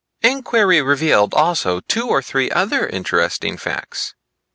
"Inquiry revealed, also, two or three other interesting facts.